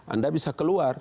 anda bisa keluar